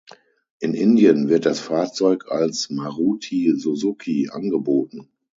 In Indien wird das Fahrzeug als Maruti Suzuki angeboten.